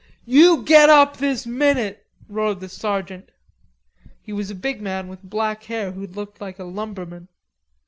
"You get up this minute," roared the sergeant. He was a big man with black hair who looked like a lumberman.